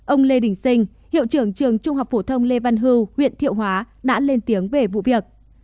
ông lê đình sinh hiệu trưởng trường trung học phổ thông lê văn hưu huyện thiệu hóa đã lên tiếng về vụ việc